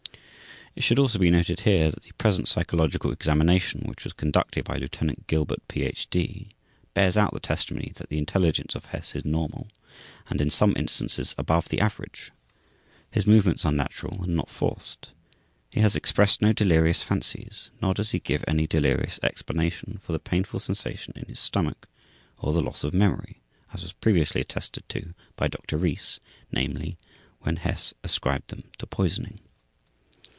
It should also be noted here, that the present psychological examination, which was conducted by Lieutenant Gilbert, Ph. D., bears out the testimony that the intelligence of Hess is normal and in some instances above the average. His movements are natural and not forced. He has expressed no delirious fancies nor does he give any delirious explanation for the painful sensation in his stomach or the loss of memory, as was previously attested to by Doctor Rees, namely, when Hess ascribed them to poisoning.